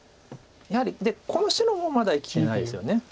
やはりこの白もまだ生きてないですよね。